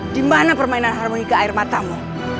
dimana permainan harmonika air matamu